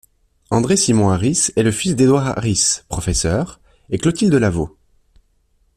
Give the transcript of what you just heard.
André Simon Harris est le fils d'Edouard Harris, professeur, et Clotilde Lavaut.